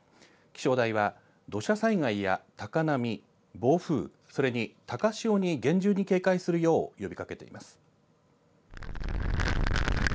気象台は土砂災害や高波、暴風、それに高潮に厳重に警戒するよう呼びかけています。